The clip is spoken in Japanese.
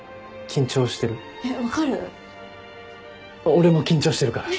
俺も緊張してるから。